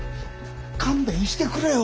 勘弁してくれよ。